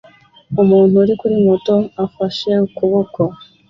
Umuntu uri kuri moto afashe ukuboko